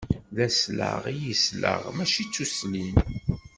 D aslaɣ i yesleɣ, mačči tuslin.